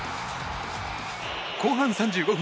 後半３５分。